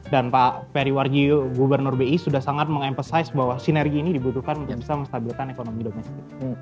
dan pak periwarji gubernur bi sudah sangat meng emphasize bahwa sinergi ini dibutuhkan untuk bisa menstabilkan ekonomi domestik